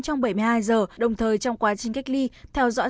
trong bảy mươi hai giờ đồng thời trong quá trình cách ly theo dõi